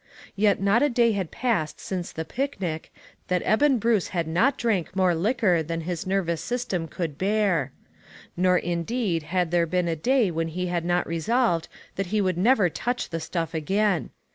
Yet not a day had passed since the picnic that Eben Bruce had not drank more liquor than his nervous system could bear. Nor, indeed, had there been a day when he had not resolved that he would never touch the stuff again.